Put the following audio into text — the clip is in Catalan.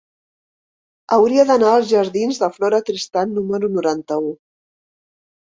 Hauria d'anar als jardins de Flora Tristán número noranta-u.